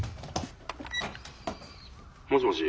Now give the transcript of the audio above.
☎もしもし。